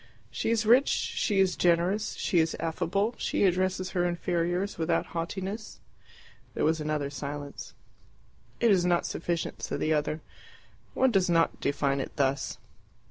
"She is rich, she is generous, she is affable, she addresses her inferiors without haughtiness." There was another silence. "It is not sufficient," said the other. "One does not define it thus."